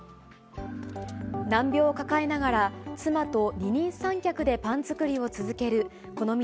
難病を抱えながら、妻と二人三脚でパン作りを続けるこの道